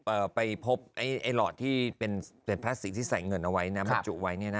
เอ่อไปพบไอ้ไอ้หลอดที่เป็นเป็นพลาสติกที่ใส่เงินเอาไว้นะครับมันจุไว้เนี้ยน่ะ